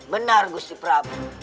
benar gusti prabu